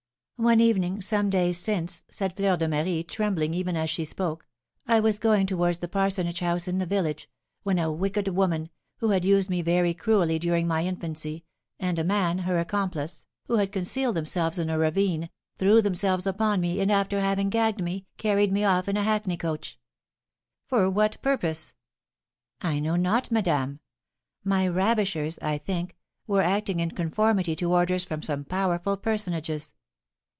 "One evening, some days since," said Fleur de Marie, trembling even as she spoke, "I was going towards the parsonage house in the village, when a wicked woman, who had used me very cruelly during my infancy, and a man, her accomplice, who had concealed themselves in a ravine, threw themselves upon me, and, after having gagged me, carried me off in a hackney coach." "For what purpose?" "I know not, madame. My ravishers, as I think, were acting in conformity to orders from some powerful personages."